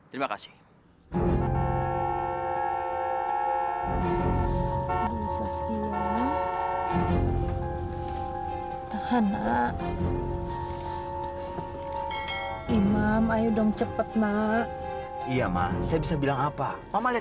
sekarang sedang ehut pak imam